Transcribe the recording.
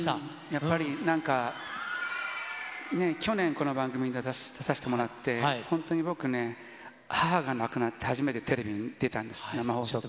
やっぱり、なんかね、去年、この番組に出させてもらって、本当に僕ね、母が亡くなって初めてテレビに出たんです、生放送で。